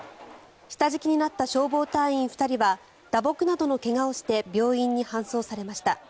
下敷きになった消防隊員２人は打撲などの怪我をして病院に搬送されました。